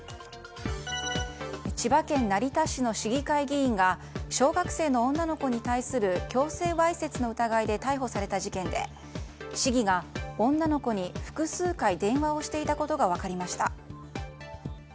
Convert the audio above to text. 千葉県成田市の市議会議員が小学生の女の子に対する強制わいせつの疑いで逮捕された事件で市議が女の子に複数回電話をしていたことが分かりました。